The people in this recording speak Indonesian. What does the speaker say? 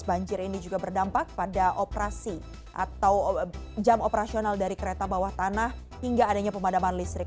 banjir ini juga berdampak pada operasi atau jam operasional dari kereta bawah tanah hingga adanya pemadaman listrik